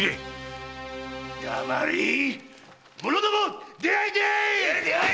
黙れ！ものども出会え出会え！